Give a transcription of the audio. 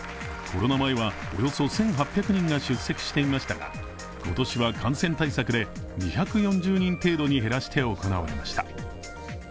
コロナ前は、およそ１８００人が出席していましたが今年は感染対策で２４０人程度に減らして行われました。